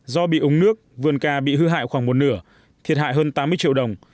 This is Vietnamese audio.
do bị úng nước vườn ca bị hư hại khoảng một nửa thiệt hại hơn tám mươi triệu đồng